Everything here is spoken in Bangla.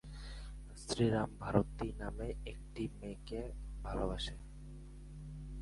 শ্রীরাম ভারতী নামে একটি মেয়েকে ভালোবাসে।